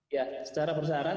ya secara bersarat